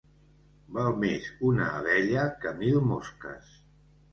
Val més una abella que mil mosques.